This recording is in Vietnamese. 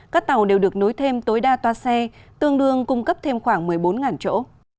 các tàu đều được nối thêm tối đa toa xe tương đương cung cấp thêm khoảng một mươi bốn chỗ